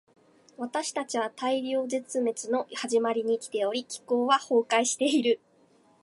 私たちは大量絶滅の始まりに生きており、気候は崩壊している。